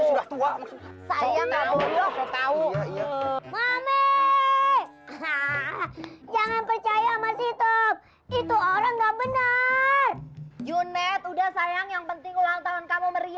sudah tua saya nggak tahu tahu iya mami jangan percaya masih top itu orang nggak bener